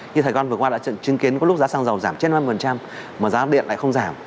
hai mươi ba mươi như thài gòn vừa qua đã chứng kiến có lúc giá xăng dầu giảm trên năm mươi mà giá điện lại không giảm